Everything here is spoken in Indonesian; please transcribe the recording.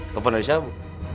telepon dari siapa bu